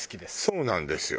そうなんですよ。